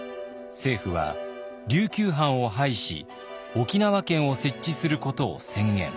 政府は琉球藩を廃し沖縄県を設置することを宣言。